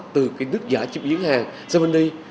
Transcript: từ cái nước giả chim yến hàng gemini